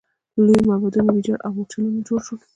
لوی معبدونه یې ویجاړ او مورچلونه جوړ شول.